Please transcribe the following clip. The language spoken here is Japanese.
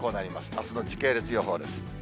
あすの時系列予報です。